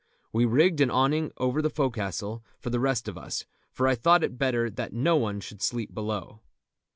We rigged an awning over the fo'castle for the rest of us, for I thought it better that no one should sleep below.